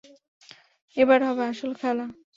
এবার হবে আসল খেলা!